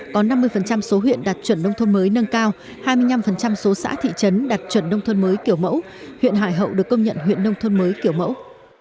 có năm mươi số huyện đạt chuẩn nông thôn mới nâng cao hai mươi năm số xã thị trấn đạt chuẩn nông thôn mới kiểu mẫu huyện hải hậu được công nhận huyện nông thôn mới kiểu mẫu